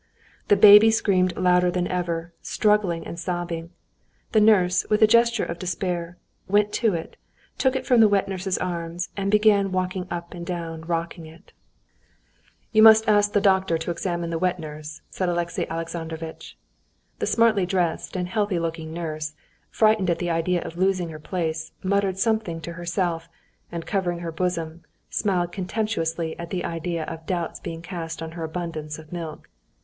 The baby screamed louder than ever, struggling and sobbing. The nurse, with a gesture of despair, went to it, took it from the wet nurse's arms, and began walking up and down, rocking it. "You must ask the doctor to examine the wet nurse," said Alexey Alexandrovitch. The smartly dressed and healthy looking nurse, frightened at the idea of losing her place, muttered something to herself, and covering her bosom, smiled contemptuously at the idea of doubts being cast on her abundance of milk.